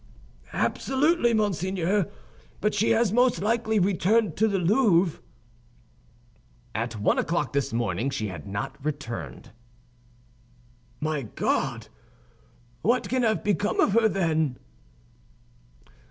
"Absolutely, monseigneur; but she has most likely returned to the Louvre." "At one o'clock this morning she had not returned." "My God! What can have become of her, then?"